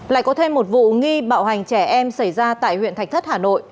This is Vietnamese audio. lại có thêm một vụ nghi bạo hành trẻ em xảy ra tại huyện thạch thất hà nội